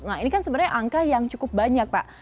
nah ini kan sebenarnya angka yang cukup banyak pak